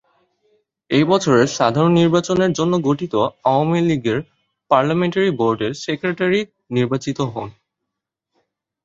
এই বছরের সাধারণ নির্বাচনের জন্য গঠিত আওয়ামী লীগের পার্লামেন্টারি বোর্ডের সেক্রেটারি নির্বাচিত হন।